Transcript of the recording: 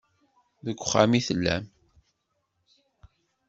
Deg uxxam i tellam.